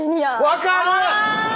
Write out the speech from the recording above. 分かる！